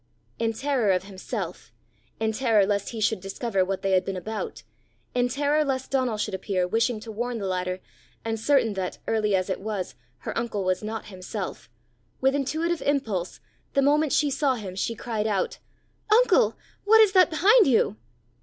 In terror of himself, in terror lest he should discover what they had been about, in terror lest Donal should appear, wishing to warn the latter, and certain that, early as it was, her uncle was not himself, with intuitive impulse, the moment she saw him, she cried out, "Uncle! what is that behind you?"